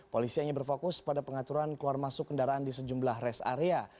polisianya berfokus pada pengaturan keluar masuk kendaraan di sejumlah res area